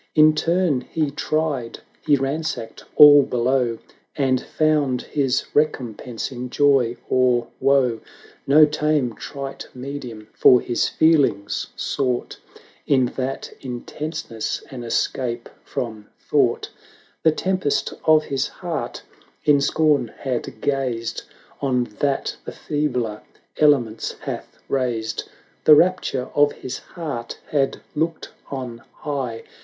In turn he tried — he ransacked all below. And found his recompense in joy or woe, 1 20 No tame, trite medium; for his feelings sought In that intenseness an escape from thought: The Tempest of his Heart in scorn had gazed On that the feebler Elements hath raised; The Rapture of his Heart had looked on high.